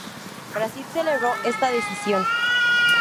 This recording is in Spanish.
Brasil celebró esta decisión.